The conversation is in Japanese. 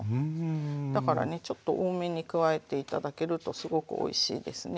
だからねちょっと多めに加えてい頂けるとすごくおいしいですね。